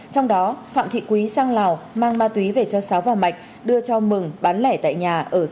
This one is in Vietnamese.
trong đó phạm thị quý sang lào mang ma túy về cho sáu vào mạch đưa cho mừng bán lẻ tại nhà ở xã thiết kế huyện bá thước